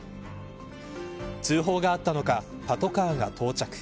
通報があったのかパトカーが到着。